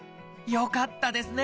よかったですね！